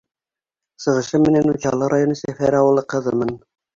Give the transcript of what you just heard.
Сығышым менән Учалы районы Сәфәр ауылы ҡыҙымын.